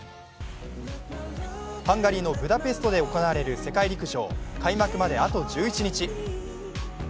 ハンガリーのブダペストで行われる世界陸上、開幕まで、あと１１日。